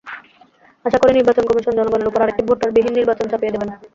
আশা করি, নির্বাচন কমিশন জনগণের ওপর আরেকটি ভোটারবিহীন নির্বাচন চাপিয়ে দেবে না।